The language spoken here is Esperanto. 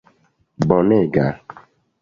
bonega